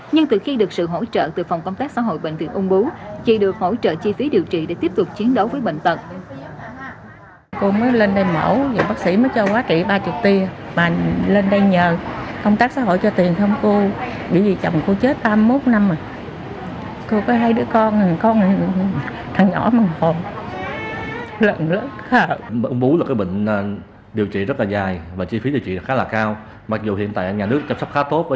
nhưng từ khi được sự hỗ trợ từ phòng công tác xã hội bệnh viện ung bú chị được hỗ trợ chi phí điều trị để tiếp tục chiến đấu với bệnh tật